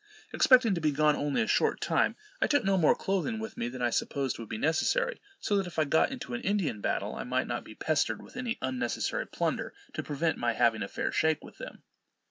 Expecting to be gone only a short time, I took no more clothing with me than I supposed would be necessary, so that if I got into an Indian battle, I might not be pestered with any unnecessary plunder, to prevent my having a fair shake with them.